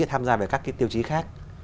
tham gia về các cái tiêu chí khác